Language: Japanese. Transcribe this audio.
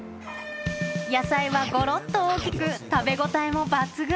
野菜はごろっと大きく、食べ応えも抜群。